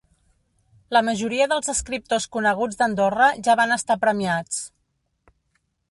La majoria dels escriptors coneguts d'Andorra ja van estar premiats.